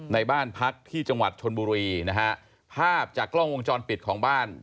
ในบ้านพักที่จังหวัดชนบุรีนะฮะภาพจากกล้องวงจรปิดของบ้าน